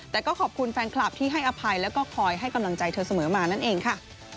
แต่ก็ขอบคุณแฟนคลับที่ให้อภัยแล้วก็คอยให้กำลังใจเธอเสมอมานั่นเองค่ะ